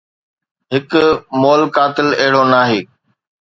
هڪ مئل قاتل اهڙو ناهي